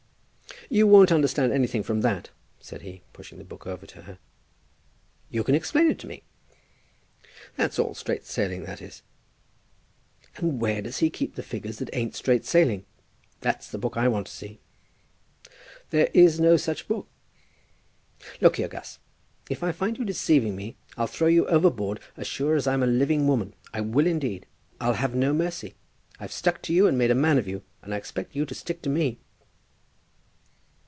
"You won't understand anything from that," said he, pushing the book over to her. "You can explain it to me." "That's all straight sailing, that is." "And where does he keep the figures that ain't straight sailing? That's the book I want to see." "There is no such book." "Look here, Gus, if I find you deceiving me I'll throw you overboard as sure as I'm a living woman. I will indeed. I'll have no mercy. I've stuck to you, and made a man of you, and I expect you to stick to me."